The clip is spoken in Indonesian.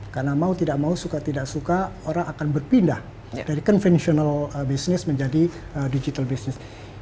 karena mau tidak mau suka tidak suka orang akan berpindah dari konvensional bisnis menjadi digital bisnis